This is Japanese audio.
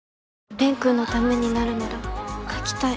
蓮君のためになるなら描きたい。